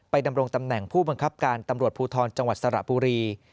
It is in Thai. ดำรงตำแหน่งผู้บังคับการตำรวจภูทรจังหวัดสระบุรี